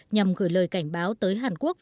nhằm gửi lời cảnh báo tới hàn quốc